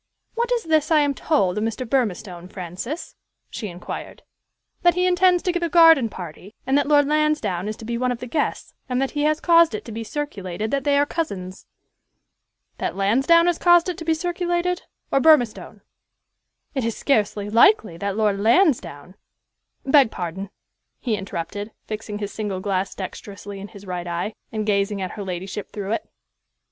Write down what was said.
"What is this I am told of Mr. Burmistone, Francis?" she inquired. "That he intends to give a garden party, and that Lord Lansdowne is to be one of the guests, and that he has caused it to be circulated that they are cousins." "That Lansdowne has caused it to be circulated or Burmistone?" "It is scarcely likely that Lord Lansdowne" "Beg pardon," he interrupted, fixing his single glass dexterously in his right eye, and gazing at her ladyship through it.